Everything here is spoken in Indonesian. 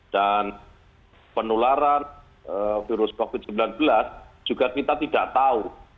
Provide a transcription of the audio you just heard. dan penularan virus covid sembilan belas juga kita tidak tahu